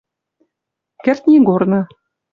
КӸРТНИГОРНЫ